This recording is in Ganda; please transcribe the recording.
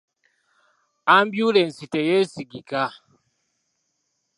Ambyulensi teyeesigika.